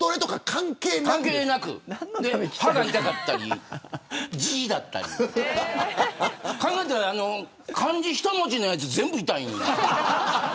関係なく歯が痛かったり痔だったり考えたら漢字一文字のやつ全部痛いんよ。